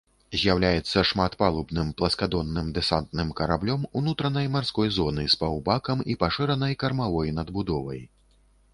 З'яўляецца шматпалубным, пласкадонным дэсантным караблём унутранай марской зоны з паўбакам і пашыранай кармавой надбудовай.